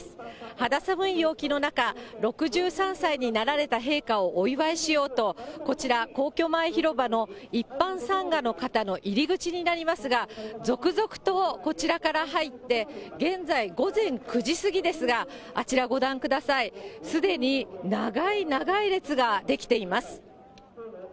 肌寒い陽気の中、６３歳になられた陛下をお祝いしようと、こちら、皇居前広場の一般参賀の方の入り口になりますが、続々とこちらから入って、現在午前９時過ぎですが、あちらご覧ください、すでに長い長い列が出来ています。